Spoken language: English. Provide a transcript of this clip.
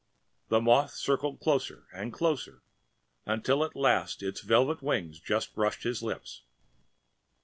‚ÄĚ And the moth circled closer and closer until at last its velvet wings just brushed his lips